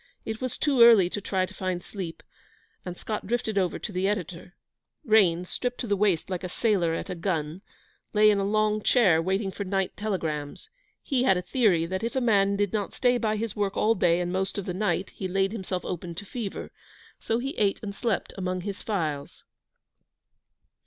It was too early to try to find sleep, and Scott drifted over to the editor. Raines, stripped to the waist like a sailor at a gun, lay in a long chair, waiting for night telegrams. He had a theory that if a man did not stay by his work all day and most of the night he laid himself open to fever; so he ate and slept among his files.